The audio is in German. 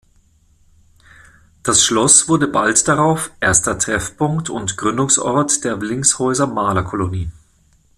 Das Schloss wurde bald darauf erster Treffpunkt und Gründungsort der Willingshäuser Malerkolonie.